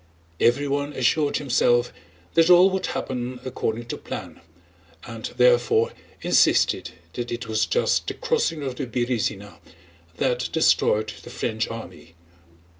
Everyone assured himself that all would happen according to plan, and therefore insisted that it was just the crossing of the Berëzina that destroyed the French army.